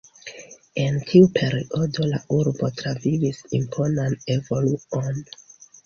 En tiu periodo la urbo travivis imponan evoluon.